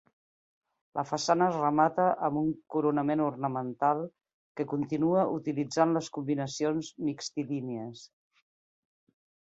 La façana es remata amb un coronament ornamental que continua utilitzant les combinacions mixtilínies.